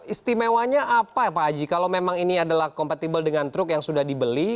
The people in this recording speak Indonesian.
istimewanya apa pak haji kalau memang ini adalah kompatibel dengan truk yang sudah dibeli